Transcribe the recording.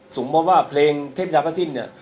สมมติว่าเพลงเทพธินาประสิทธิ์เนี่ย